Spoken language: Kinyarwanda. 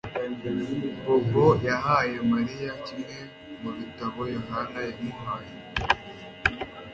Bobo yahaye Mariya kimwe mu bitabo Yohana yamuhaye